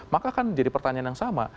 maka kan jadi pertanyaan yang sama